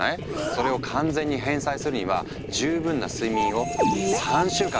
それを完全に返済するには十分な睡眠を３週間続ける必要があるんだ。